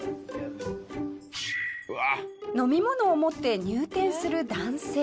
飲み物を持って入店する男性。